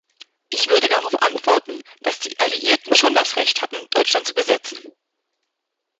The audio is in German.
Ich würde darauf antworten, dass die Alliierten schon das Recht hatten, Deutschland zu besetzen.